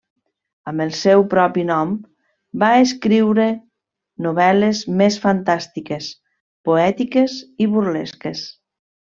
Amb el seu propi nom, va escriure novel·les més fantàstiques, poètiques i burlesques.